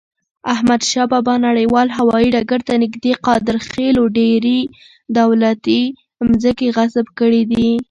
احمدشاه بابا نړیوال هوایی ډګر ته نږدې قادرخیلو ډیري دولتی مځکي غصب کړي دي.